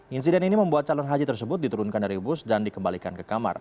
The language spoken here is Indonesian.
insiden ini membuat calon haji tersebut diturunkan dari bus dan dikembalikan ke kamar